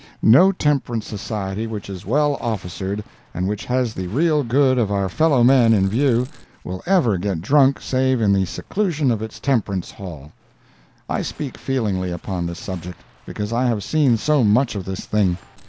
No temperance society which is well officered and which has the real good of our fellow men in view, will ever get drunk save in the seclusion of its temperance hall. I speak feelingly upon this subject, because I have seen so much of this thing.